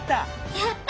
やった！